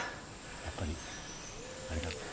やっぱりあれか？